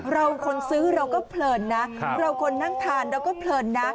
เราคนซื้อเราก็เพลินนะเราคนนั่งทานเราก็เพลินนะ